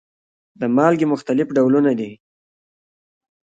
د مالګې مختلف ډولونه دي.